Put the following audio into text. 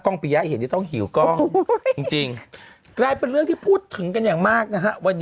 ก้องปลึยะอีเห็นเดียวต้องหิวก้องจริงเป็นเรื่องที่พูดถึงกันอย่างมากนะฮะ